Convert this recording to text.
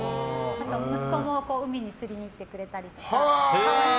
あと息子も海に釣りに行ってくれたりとか。